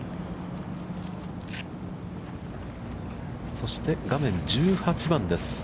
そして画面は１８番です。